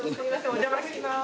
お邪魔します